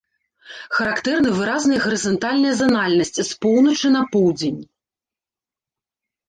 Характэрна выразная гарызантальная занальнасць з поўначы на поўдзень.